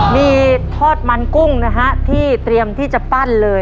มีทอดมันกุ้งนะฮะที่เตรียมที่จะปั้นเลย